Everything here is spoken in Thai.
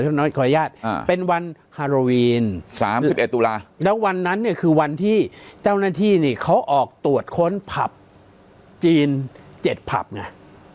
น้อยขออนุญาตเป็นวันฮาโรวีน๓๑ตุลาแล้ววันนั้นเนี่ยคือวันที่เจ้าหน้าที่นี่เขาออกตรวจค้นผับจีน๗ผับไง